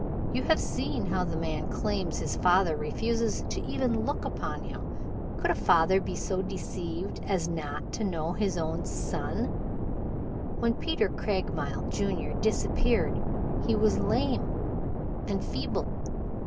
You have seen how the man he claims is his father refuses to even look upon him. Could a father be so deceived as not to know his own son? When Peter Craigmile, Jr., disappeared he was lame and feeble.